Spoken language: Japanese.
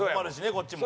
こっちも。